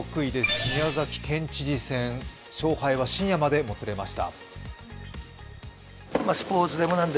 宮崎県知事選、勝敗は深夜までもつれました。